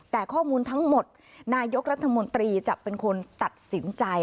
แต่ข้อมูลทั้งหมดนายกรัฐมนตรีจะเป็นคนตัดสินใจ